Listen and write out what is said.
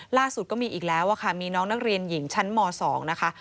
ล่าสุดก็มีอีกแล้วค่ะมีน้องนักเรียนหญิงชั้นม๒นะคะ